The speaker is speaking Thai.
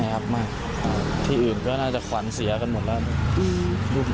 ครับไม่ที่อื่นก็น่าจะขวัญเสียกันหมดแล้ว